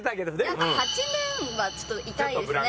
やっぱ８年はちょっと痛いですね。